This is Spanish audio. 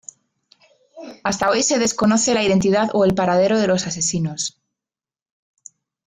Hasta hoy se desconoce la identidad o el paradero de los asesinos.